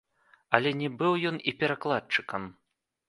Але не быў ён і перакладчыкам!